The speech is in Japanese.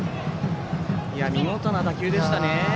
見事な打球でしたね。